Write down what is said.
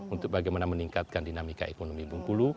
untuk bagaimana meningkatkan dinamika ekonomi bengkulu